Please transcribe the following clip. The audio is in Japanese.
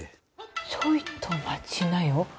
ちょいと待ちなよ。